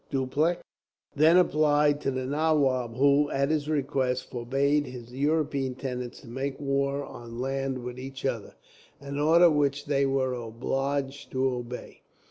"Dupleix then applied to the nawab who, at his request, forbade his European tenants to make war on land with each other, an order which they were obliged to obey.